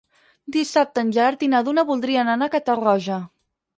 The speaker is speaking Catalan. Dissabte en Gerard i na Duna voldrien anar a Catarroja.